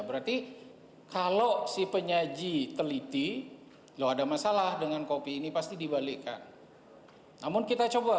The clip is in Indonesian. jadi kalau si penyaji teliti loh ada masalah dengan kopi ini pasti dibalikkan namun kita coba